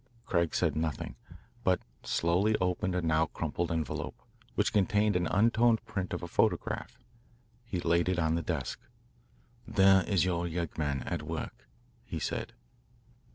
Craig said nothing, but slowly opened a now crumpled envelope, which contained an untoned print of a photograph. He laid it on the desk. "There is your yeggman at work," he said.